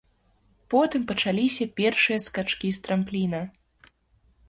Потым пачаліся першыя скачкі з трампліна.